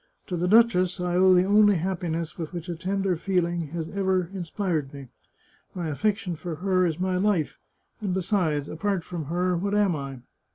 To the duchess I owe the only happiness with which a tender feeling has ever inspired me. My affection for her is my life ; and besides, apart from her what am I?